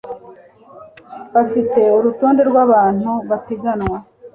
bafite urutonde rw’abantu bapiganwa